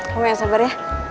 kamu yang sabar ya